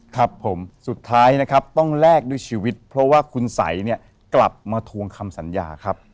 ครับผมสุดท้ายนะครับต้องแลกด้วยชีวิตเพราะว่าคุณสัยเนี่ยกลับมาทวงคำสัญญาครับ